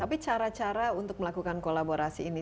tapi cara cara untuk melakukan kolaborasi ini